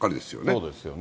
そうですよね。